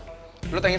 kita mulai latihan yuk